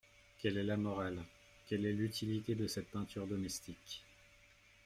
Quelle est la morale, quelle est l’utilité de cette peinture domestique ?